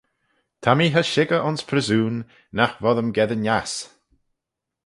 Ta mee cha shickyr ayns pryssoon: nagh voddym geddyn ass.